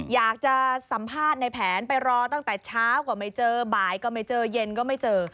อยากจะสัมภาษณ์ในแผนไปรอตั้งแต่เช้าก็ไม่เจอบ่ายก็ไม่เจอเย็นก็ไม่เจอ